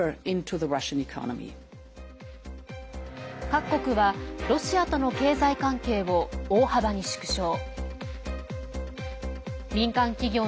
各国はロシアとの経済関係を大幅に縮小。